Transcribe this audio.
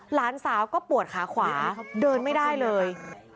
หลานสาวก็ปวดขาขวาเดินไม่ได้เลย